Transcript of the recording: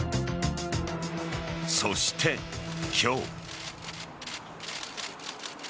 そして今日。